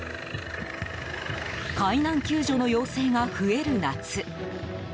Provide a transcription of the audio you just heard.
海難救助の要請が増える夏。